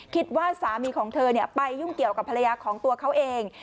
คิดว่าสามีของเธอไปยุ่งเกี่ยวกับภรรยาของตัวเขาเอง